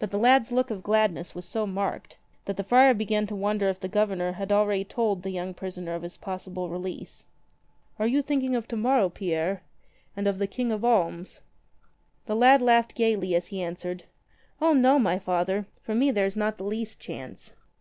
But the lad's look of gladness was so marked that the friar began to wonder if the Governor had already told the young prisoner of his possible release. "Are you thinking of to morrow, Pierre? and of the King of Alms?" The lad laughed gaily as he answered: "O no, my Father. For me there is not the least chance.